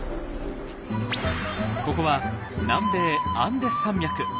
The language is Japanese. ここは南米アンデス山脈。